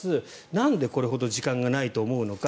なんで、これほど時間がないと思うのか。